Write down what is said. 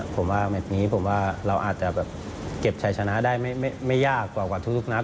ผมว่าแมทนี้เราอาจจะเก็บชายชนะได้ไม่ยากกว่าทุกนัก